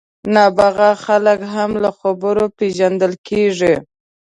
نابغه خلک هم له خبرو پېژندل کېږي.